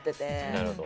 なるほど。